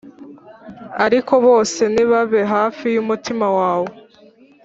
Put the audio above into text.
ariko bose ntibabe hafi yumutima wawe.